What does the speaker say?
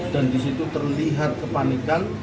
dan disitu terlihat kepanikan